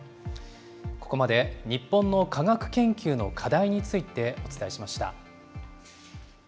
ここまで日本の科学研究の課題についてお伝えしました。